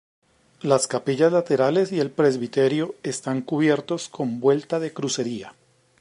Las capillas laterales y el presbiterio están cubiertos con vuelta de crucería.